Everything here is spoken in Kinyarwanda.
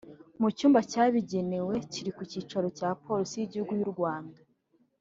mu cyumba cyabigenewe kiri ku cyicaro cya Polisi y’Igihugu y’u Rwanda